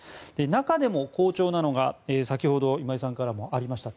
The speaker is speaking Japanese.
中でも好調なのが先ほど今井さんからもありました